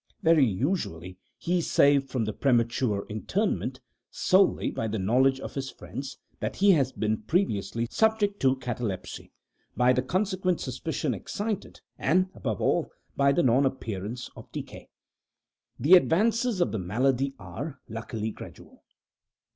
Very usually he is saved from premature interment solely by the knowledge of his friends that he has been previously subject to catalepsy, by the consequent suspicion excited, and, above all, by the non appearance of decay. The advances of the malady are, luckily, gradual.